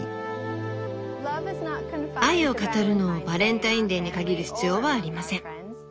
「愛を語るのをバレンタインデーに限る必要はありません。